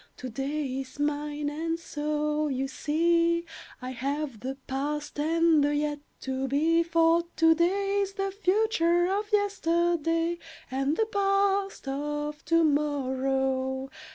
"To day is mine. And so, you see, I have the past and the yet to be; "For to day is the future of yesterday, And the past of to morrow.